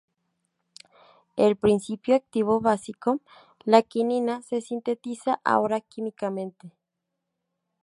El principio activo básico, la quinina, se sintetiza ahora químicamente.